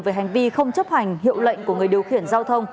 về hành vi không chấp hành hiệu lệnh của người điều khiển giao thông